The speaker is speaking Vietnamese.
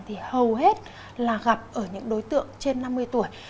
thì hầu hết là gặp ở những đối tượng trên năm mươi tuổi